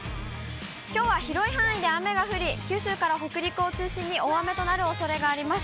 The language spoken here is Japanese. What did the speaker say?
きょうは広い範囲で雨が降り、九州から北陸を中心に、大雨となるおそれがあります。